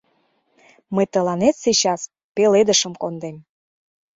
Мый тыланет сейчас пеледышым кондем.